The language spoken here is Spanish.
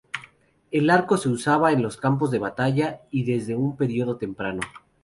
El arco se usaba en los campos de batalla ya desde un periodo temprano.